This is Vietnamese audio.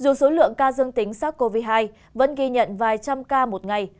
dù số lượng ca dương tính sắc covid một mươi chín vẫn ghi nhận vài trăm ca một ngày